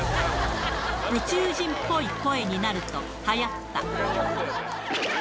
宇宙人っぽい声になると、はやった。